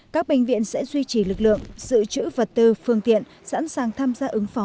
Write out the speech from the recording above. các bệnh viện sẽ duy trì lực lượng sự trữ vật tư phương tiện sẵn sàng tham gia ứng phó